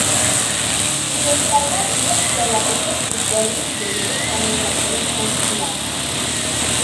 Студенттарға лекциялар уҡып, үҙҙәренең белемен камиллаштырып ҡайттылар.